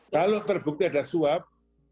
kalau terbukti ada suap